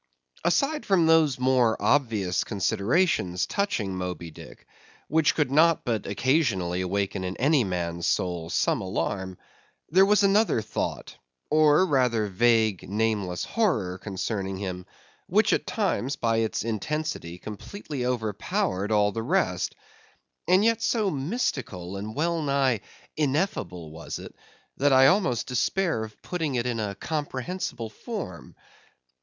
Aside from those more obvious considerations touching Moby Dick, which could not but occasionally awaken in any man's soul some alarm, there was another thought, or rather vague, nameless horror concerning him, which at times by its intensity completely overpowered all the rest; and yet so mystical and well nigh ineffable was it, that I almost despair of putting it in a comprehensible form.